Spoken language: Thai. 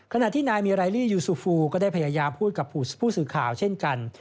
ขณะที่นายมีรายลี่ยูซูฟูก็ได้พยายามพูดกับผู้สื่อข่าวเช่นกัน